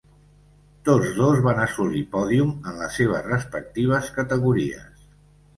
Tots dos van assolir pòdium en les seves respectives categories.